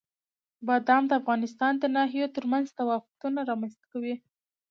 بادام د افغانستان د ناحیو ترمنځ تفاوتونه رامنځته کوي.